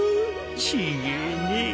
違ぇねえ。